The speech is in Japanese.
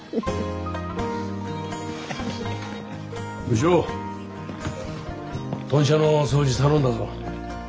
部長豚舎の掃除頼んだぞ。